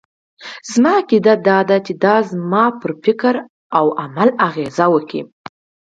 زما عقيده دا ده چې دا به زما پر فکراو عمل اغېز وکړي.